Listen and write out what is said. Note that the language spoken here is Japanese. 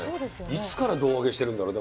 いつから胴上げしてるんだろう？